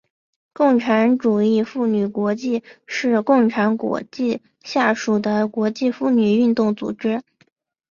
共产主义妇女国际是共产国际下属的国际妇女运动组织。